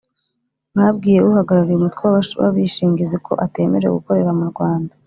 Babwiye Uhagarariye umutwe w abishingizi ko atemerewe gukorera mu Rwanda